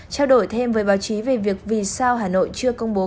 trao đổi thêm với báo chí về việc vì sao hà nội chưa công bố